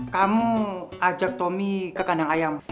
kamu ajak tommy ke kandang ayam